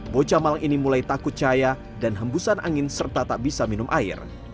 bocah malang ini mulai takut cahaya dan hembusan angin serta tak bisa minum air